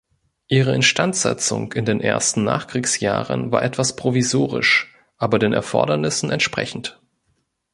Ihre Instandsetzung in den ersten Nachkriegsjahren war etwas provisorisch, aber den Erfordernissen entsprechend.